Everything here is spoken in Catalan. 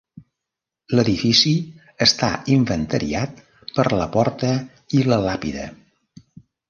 L'edifici està inventariat per la porta i la làpida.